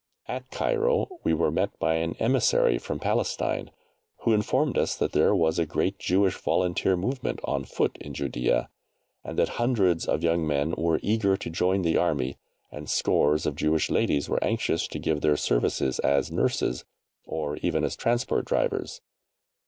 At Cairo we were met by an emissary from Palestine, who informed us that there was a great Jewish volunteer movement on foot in Judæa, and that hundreds of young men were eager to join the Army, and scores of Jewish ladies were anxious to give their services as nurses, or even as transport drivers.